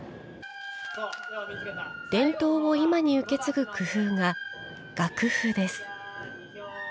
伝統を今に受け継ぐ工夫が楽譜です。